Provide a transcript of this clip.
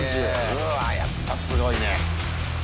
うわぁやっぱすごいね。